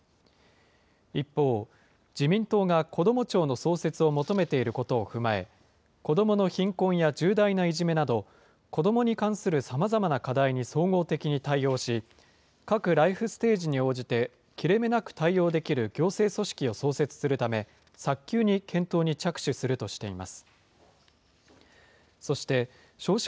一方、自民党がこども庁の創設を求めていることを踏まえ、子どもの貧困や重大ないじめなど、子どもに関するさまざまな課題に総合的に対応し、各ライフステージに応じて、切れ目なく対応できる行政組織を創設するため、早急に検討に着手するとしています。